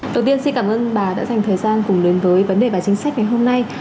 đầu tiên xin cảm ơn bà đã dành thời gian cùng đến với vấn đề và chính sách ngày hôm nay